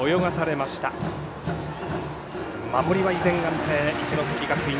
守りは依然安定、一関学院。